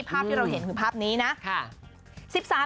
ภาพที่เราเห็นคือภาพนี้นะ